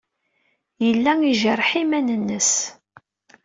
Yella ijerreḥ iman-nnes.